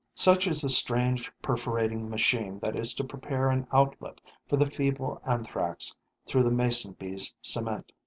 Such is the strange perforating machine that is to prepare an outlet for the feeble Anthrax through the Mason bee's cement.